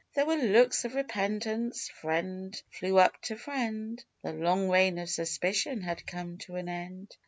There were looks of repentance ; friend flew up to friend ; The long reign of suspicion had come to an end.